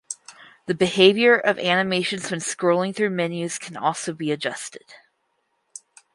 The behavior of animations when scrolling through menus can also be adjusted.